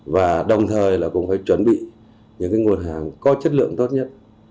và đồng thời là cũng phải chuẩn bị những nguồn hàng có chất lượng tốt nhất